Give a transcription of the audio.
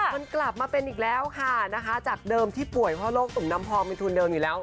มันกลับมาเป็นอีกแล้วค่ะนะคะจากเดิมที่ป่วยเพราะโรคตุ่มน้ำพองเป็นทุนเดิมอยู่แล้ว